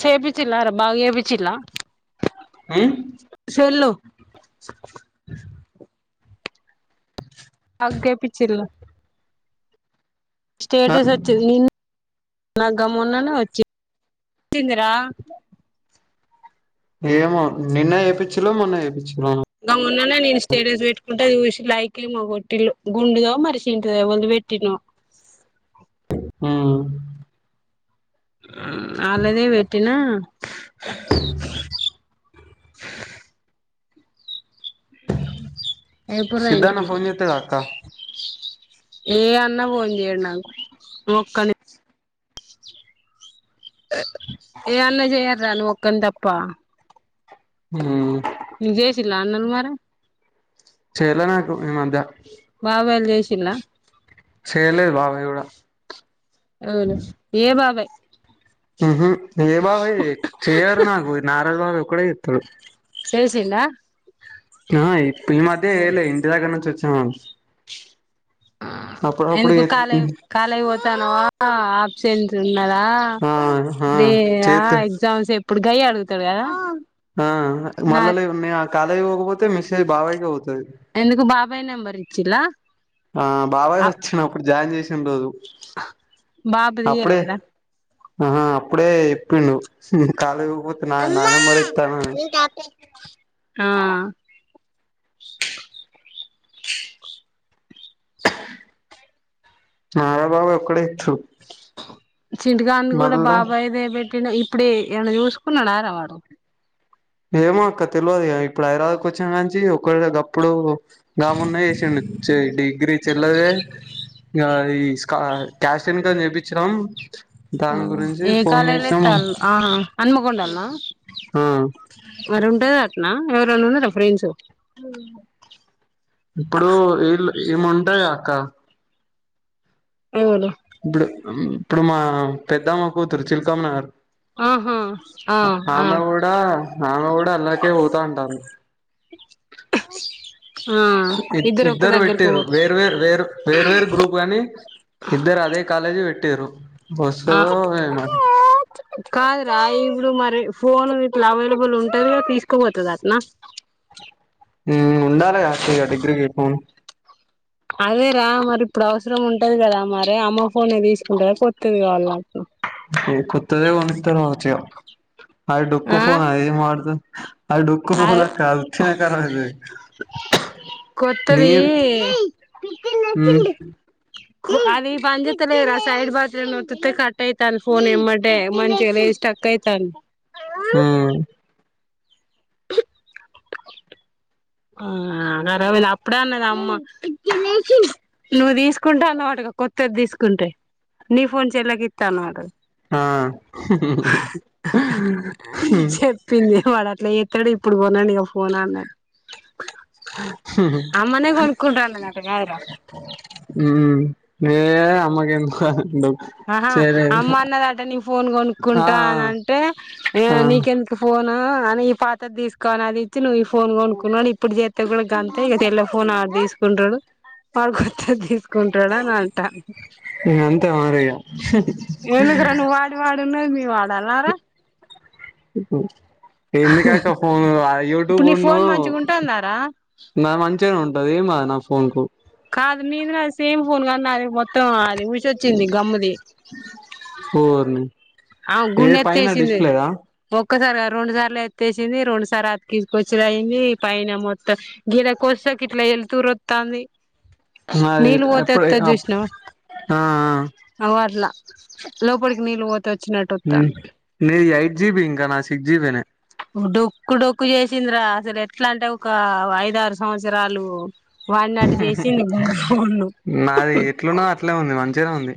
చేపిచ్లా రా బాగ చేప్చిల్లా ఉమ్ స్కూల్ లో హగ్ ఏ పిచ్చి పిల్లా స్టేటస్ వచ్చింది నిన్న నా గమ్మున్నానే వచ్చి, తిందురా? ఏమో నిన్న చేపించిలో మొన్న చేపించిలో అ ఉన్ననే నేను స్టేట స్ పెట్టుకుంటే చూసి లైక్ కింగ్ కొట్టిల్లు గుండుదో మరి చింటిదో ఎవరది పెట్టిల్లో మ్ వాలాదే పెట్టినా [inaudible] ఎప్పుడు రా సిద్ధాన్న ఇంటి కి ఫోన్ చేత్తడా అక్క ఏ అన్న పోని ఏడున్నావు అంకుల్ ఒక్కనే ఏ అన్న చేయారు రా నువ్వు ఒక్కనివి తప్పా ఉమ్ నువ్వు చేసినావా అందరూ మరి చేయలే నాకు ఈ మధ్య తిన్నా చేేయలేదు బాబాయ్ కూడా అవునా ఏ బాబాయ్ ఉహు ఏ బాబాయ్ చేయరు నాకు నాగరాజు బాబాయ్ ఒక్కడే చేత్తాడు. చేసిండా ఆ ఇ ఈ మధ్య యేయలే ఇంటి దగ్గర నించి వచ్చినాం అప్పుడప్పుడు ఎందుకు కాలే కాలేజ్ కు పోతాన్నావా ఆబ్సెంట్ ఉన్నా కదా ఆ ఆ దేయ చేత్తడు ఎగ్జామ్స్ ఎప్పుడు గయే అడుగుతాడు కదా ఆ నా మళ్ళ లీవు ఉన్నాయా కాలేజీ పోకపోతే మెసేజ్ బాబాయ్కె పోతాది. ఎందుకు బాబాయ్ నెంబర్ ఇచ్చిల్లా. ఆ బాబాయ్ వచ్చిన అప్పుడు జాయిన్ చేసిన రోజు బాపుది ఇయ్యలేదా. ఆ అప్పుడే చెప్పిండు కాలేజీకి పోకపోతే నా నానెంబరు ఇత్తనాని ఆ [inaudible] నాగరాజు బాబాయ్ ఒక్కడే థూ చింటూగాన్ని కూడా బాబాయ్దేబెట్ ఇక ఇప్పుడే ఏమన్న చూసుకున్నాడరా వాడు ఏమో అక్క తెలవదు ఇగ ఇప్పుడు హైదరాబాదు కి వచ్చిన కాంచి ఒక్కడే గప్పుడు నా మున్నే చేసిండు చే డిగ్రీ చెల్లదాయి ఇగ ఈ స్కా క్యాస్ట్ ఇన్కమ్ చేపిచ్చినం ఆ ఏ కాలేజీల ఇత్తళ్ళు ఆహా హనుమకొండల్న ఆ మరి ఉంటది అట్నా ఎవరన్నా ఉన్నారా ఫ్రెండ్స్ ఇప్పుడు ఈళ్ళు ఈముంటది గద అక్క ఏవలు ఇప్పుడు ఇప్పుడు మా పెద్దమ్మ కూతురు చిలుకమ్మనగర్ ఆహా ఆ ఆ ఆమె కూడా ఆమె కూడా అళ్లకే పోతా అంటాంది ఆ ఇ ఒక్క ఇద్దరు దగ్గరికి పెట్టిర్రు పోత వేర్వేరు వేర్ వేర్వేరు గ్రూప్ కాని ఇద్దరు అదే కాలేజ్ పెట్టిర్రు ఆ కాదురా ఇప్పుడు మరి ఫోన్ ఇట్లా అవైలబుల్ ఉంటది తీసుకోపోతది అట్నా ఉ ఉండాలగా అక్క ఇగ డిగ్రీకి ఫోన్ అదేరా మరి ఇప్పుడు అవసరం ఉంటది కదా మరే అమ్మ ఫోనే తీసుకుంటదా కొత్తది కావాల కొత్తదే కొనిత్తరు కావచ్చు ఇగ అది డోక్కు ఆ ఫోన్ అదేం వాడతది అది డొక్కు ఫోన్ అక్క అది ఉత్తినే కరాబ్ అయితది నీ కొత్తది మ్మ్ అది పనిచేత్తలేదురా సైడ్ బటన్ ఒత్తుతే కట్ అయితాంది ఫోన్ ఎమ్మటే మంచిగా లేదు స్టక్ అయితాంది. ఉ ఆ కరాబయింది అప్పుడే అన్నది అమ్మ నువ్వు తీసుకుంటా అన్నవటగా కొత్తది తీసుకుంటే నీ ఫోన్ చెల్లెకు ఇత్తా అన్నావటగా ఆ హ్ హ్ హ్ ఏది ఇప్పుడు కొనండి ఇక ఫోన్ అన్నడు అమ్మనే కొనుక్కుంటా అన్నదట కాదురా ఉ నేనే అమ్మకు ఎందుకనుంటా ఆహా అమ్మ అన్నదట నీ ఫోన్ ఆ కొనుక్కుంటా అన అంటే ఆ ఆ నీకెందుకు ఫోన్ ఆ అని ఈ పాతది తీసుకోని అది ఇచ్చి నువ్వు ఈ ఫోన్ కొనుక్కున్న ఇప్పుడు చెత్తే కూడా గంతే ఇక తెల్ల ఫోన్ అది తీసుకొ కుంటడు వాడుకొత్తది తీసుకుంటాడు అని అంటాండు అంతే మరి ఇగ ఎందుకురా నువ్వు వాడి వాడు ఉన్నది నేను వాడల్నరా ఎందుకు అక్క ఫోను ఆ యూట్యూబ్ ఇప్పుడు నీ ను ఫోన్ మంచిగా ఉంటుందారా నాది మంచిగనే ఉంటది ఏమవదు నా ఫోన్ కు అది నీది నాది సేమ్ ఫోన్ కన్నాది మొత్తం అది ఊసొచ్చింది గమ్ముది ఓర్నీ ఆమే గుండు ఎత్తేసింది ఒక్కసారి కాదు రెండు సార్లు ఎత్తేసింది రెండుసార్ అతికిసుకొచ్చుడు అయింది పైన మొత్తం గిడ కోస్త కి ఇట్లా వెళతురు వత్తాంది నాది నీళ్ళ పోతే ఎప్పుడు వత్తది ఆ చూసినావ ఆ ఓ అట్లా లోపలికి నీళ్లు పోతయి ఉ నీది ఎయిట్ జిబి ఇంకా నాది సిక్స్ జిబినే డొక్కు డొక్కు చేసిందిరా అసలు ఎట్లా అంటే ఒక ఐదారు సంవత్సరాలు వాడినట్టు చేసింది ఫోను నాది ఎట్లునో అట్లే ఉంది మంచిగనే ఉంది.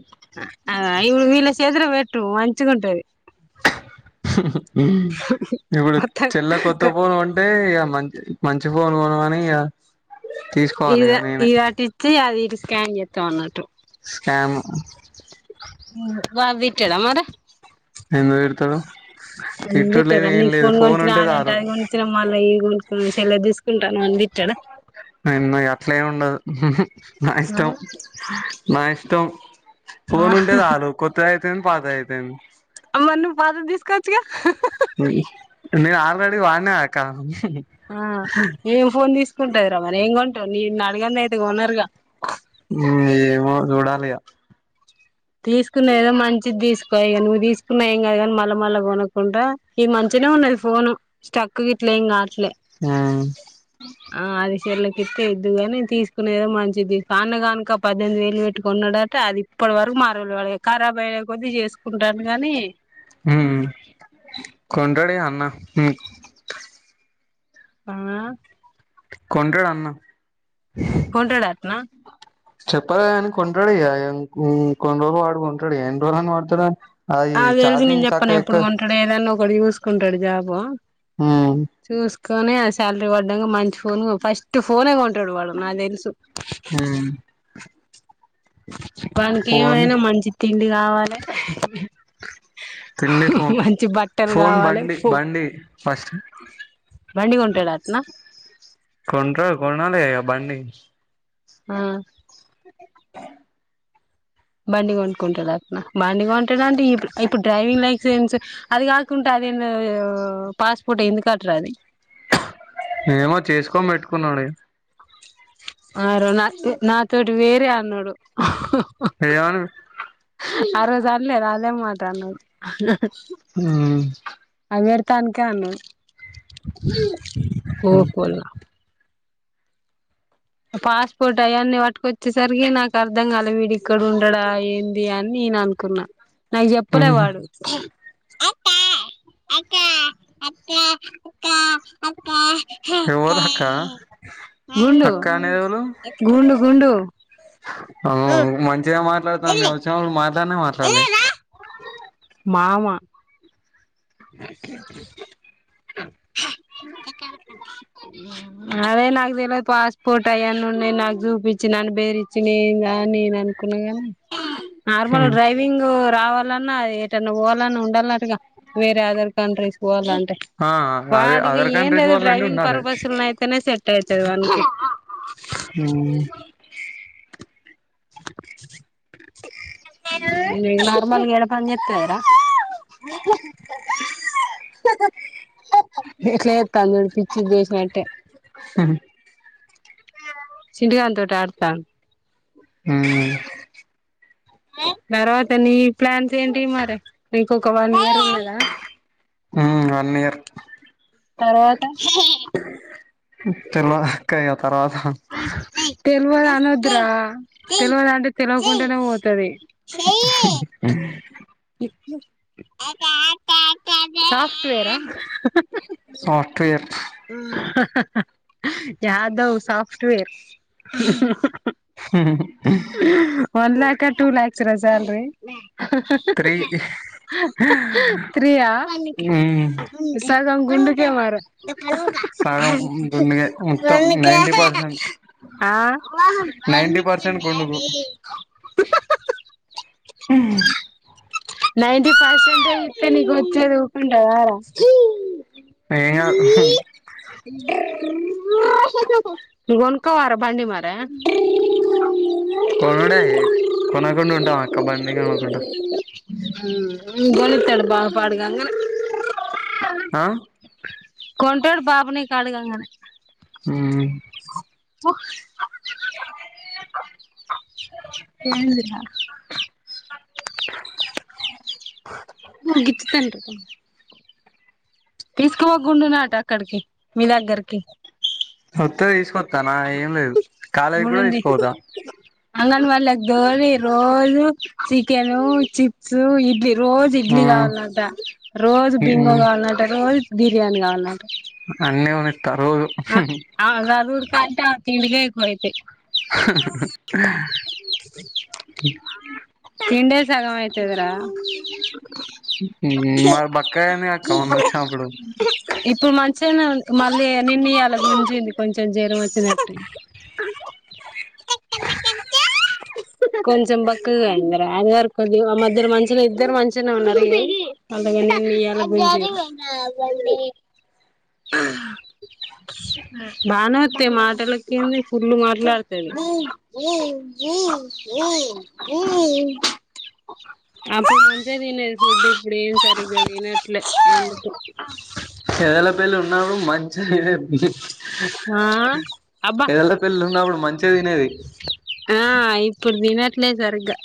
ఆ ఇప్పుడు వీళ్ళ చేతిలో పెట్టు మంచిగుంటాది. ఇప్పుడు చెల్లె కొత్త ఫోన్ కొంటే ఇక మంచి మంచి ఫోన్ కొనమని ఇక తీసుకోవాలి ఇక ఇది నేనే ఇదటిచ్చ అది ఇ స్కాన్ చేస్తాము అన్నట్టు. స్కామ్ బాబ్ తిట్టాడా మరి ఎందుకు తిడతాడు. ఎందుకు తిట్టుడు తిట్టరు లేదు రా ఏం నీ లేదు ఫోన్ కొనిచ్చినా ఉంటే వాళ్ళ అంటే చాలు అవి కొనిచ్చిన మళ్ళా ఈ సెల్ తీసుకొంటే అవి అన్నీ అట్లేమ్ ఉండదు హు హు నా ఇష్టం నా ఇష్టం. ఆ ఫోన్ ఉంటే చాలు కొత్త అయితేంది పాత అయితేంది. మరి నువ్వు పాతది తీసుకోవచ్చుగా. నేను ఆల్రెడీ వాడినా కదా అక్కా ఆ ఏం ఫోన్ తీసుకుంటాది రా మరి ఏం కొంటావు నిన్ను అడగందే అయితే కొనరుగా. ఏమో [inaudible] తీసుకున్నా ఏదో మంచిది తీసుకో నువ్వు తీసుకున్నా ఏం కాదు కానీ మళ్ళా కొనకుండా ఈ మంచి మంచిగానే ఉంది ఫోను స్ట్రక్ గిట్లేమ్ కాలేదు. ఆ చెల్లికి ఇస్తే ఇద్దువుగాని, తీసుకునేదో మంచిది తీసుకో అన్నే గానూక పద్దెనిమిది వేలు పెట్టి కొన్నాడట అది ఇప్పటి వరకు మార్వలే. ఖరాబు అయ్యే కొద్ది చేసుకుంటాడు కానీ కొంటాడు అన్న ఆ కొంటాడు అన్న కొంటాడట్నా చెప్పలే అని కొంటాడు ఇగ కొన్ని రోజులు వాడుకొంటాడు ఎన్ని రోజులుని వాడతాడు. అది అవేమీ గివేమి చార్జింగ్ చెప్పలే సక్కగా తెలిసి ఎప్పుడు ఎక్కదు కొంటాడో ఏదన్నా ఒకటి చూసుకుంటాడు జాబు మ్ కాని ఆ శాలరీ పడ్డంగా మంచి ఫోన్ ఫస్ట్ ఫోన్ కొంటాడు. డువాడు. నాకు తెలుసు వానికి ఫోన్ ఏమైనా మంచి తిండి కావాలె. క్హ తిండి ఫోన్. బట్టలు ఫోన్, కావాలి బండి ఫో బండి ఫస్ట్. బండి కొంటాడట్నా కొంటాడు. కొన్నాల బండి. ఆ బండి కొనుక్కుంటుందటనా బండి కొనుక్కుంటే ఇప్పు ఇప్పుడు డ్రైవింగ్ లైసెన్స్ అది కాకుండా నిన్న ఫాస్ట్ ఫుడ్ ఎందుకా అంటాంది.. ఏమో చేసుకోని పెట్టుకున్నాడు. ఆ రోజు నా నాతోటి వేరే అన్నాడు. ఏమన్నాడు. ఆ రోజు అల్లే రా అదేం మాట అన్నాడు. మ్ హూ వినటానికే అన్నా. ఓహో ఫస్ట్ ఫుడ్ అవన్నీ పటుకొచ్చేసరికి నాకు అర్ధం కాల వీడి ఇక్కడ ఉంటాడా ఏంది అని. నేను అనుకున్నా నాకు చెప్పలే వాడు. అట్టా అక్క అట్టా అత్త అత్త గు ఎవరు అక్క గుండు అక్క అనేదెవలు గుండు గుండు మాట్లాడుతున్నావ్ మేము వచ్చినప్పుడు మాట్లాడినవా అసలు మామ అదే నాకు తెల్వదు పాస్పోర్ట్ అయ్యన్ని ఉన్నాయి నాకు చూపిచ్చి నన్ను బెదిరిచ్చి నేను ఇగ [unintelligible] నేను అనుకున్నా గాని నార్మల్ గా డ్రైవింగ్ రావాలన్నా ఏటన్నా పోవాలన్నా ఉండాల్నటగా వేరే అదర్ కంట్రీస్ కి పోవాలంటే ఆ అదే వాడిగ అదర్ ఏం కంట్రీస్ లేదు వాళ్ళు అంటే డ్రైవింగ్ ఉండాలి పర్పస్ ఉన్నాయి అయితేనే సెట్ అయితయి వానికి ఊమ్ నార్మల్ గా ఏడ పని చేత్తన్నావ్ రా అ మ్యూట్ లో ఎత్తన్ [unintelligible] పిచ్చిది చేసినట్టే స చింటు గాని తోటి ఆడతాన్ ఊమ్ తర్వాత నీ ప్లాన్స్ ఏంటియ్యి మరి ఇంకొక వన్ ఇయర్ ఉన్నదా ఊమ్ వన్ ఇయర్ తర్వాత తర్వాత్ చెప్ తెలవదు అనొద్దు రా తెలవదు అంటే తెలువకుంటనే పోతది. సాఫ్టువేర్ ఆ ఫాస్ట్ గా చెప్ యాదవ్ సాఫ్టువేర్ వన్ ల్యాక్ ఆ టూ ల్యాక్స్ రా శాలరీ త్రీ ఫ్రీ ఆ మ్మ్ సగం గుండుకే సగం గుండుగే మొత్తం నైన్టీ [unintelligible] పర్సెంట్ ఆ నైన్టీ పర్సెంట్ గుండుగు ఆ నైన్టీ పర్సంటేజ్ వత్తే నీకు చదువుకుంటావా రా ఏం కాదు నువ్వు కొనుక్కోవా రా బండి మరి కొనడే కొనకుండా ఉంటమా అక్క బండి కొనకుండా కొనిత్తాడు బావ పాడుగాను ఆ కొంటడు బాబు నీకు అడగంగానే మ్మ్ ఏంది రా గిచ్చుతాండ్రు [unintelligible] తీసుకోవో గుండున్నాట అక్కడికి, మీ దగ్గరకి. వత్తే తీసుకొత్తా నా ఏం లేదు, కాలేజీ గుడ తీస్కోపోతా అంగన్ వాడిల దోలి రోజు చికెను, చిప్సు, ఇడ్లీ రోజు ఇడ్లీ ఆ కావాలంట, రోజు బింగో మ్మ్ కావాలంట, రోజు బిర్యానీ కావాలం అన్నీ కొనిత్తారు రోజు అ ఆమ సదువుడు కంటె ఆమె తిండికే ఎక్కువైతయ్ తిండే సగం అయితదిరా ఉమ్ మరి బక్కగ అయిందిగ అక్క మొన్న వచ్చినప్పుడు చిగనే ఉం మళ్ళీ నిన్న ఇయ్యాల గుంజింది కొంచెం జెరం వచ్చినట్టై కొంచెం బక్కగా అయిందిర అది వరకు కొంచం మధ్యల మంచిగ ఇద్దరు మంచిగనే ఉన్నారు పండగైన మీ అన్న గుంజిని బానే వత్తయి మాటలకేంది ఫుల్లు మాట్లాడతది అప్పుడు మంచిగ తినేది ఫుడ్ ఇప్పుడేమి సరిగ్గా తినట్లే అందుకు ఎదల పెళ్లి ఉన్నప్పుడు మంచిగ తినేది ఆ అబ్బా ఎదలా పెళ్ళి ఉన్నప్పుడు మంచిగ తినేది ఆ ఇప్పుడు తినట్లే సరిగ్గా